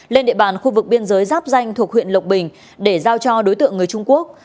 lên địa bàn khu vực biên giới giáp danh thuộc huyện lộc bình để giao cho đối tượng người trung quốc